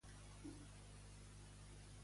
Digues-me com arribar al restaurant Los Abetos.